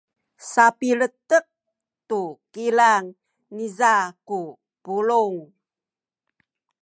sapiletek tu kilang niza ku pulung.